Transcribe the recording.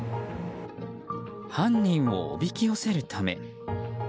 犯人をおびき寄せるため。